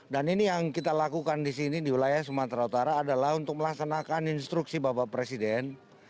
dan ini yang kita lakukan di sini di wilayah sumatera utara adalah untuk melaksanakan instruksi bapak presiden